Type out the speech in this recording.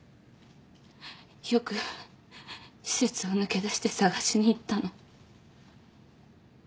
よく施設を抜け出して捜しに行ったの。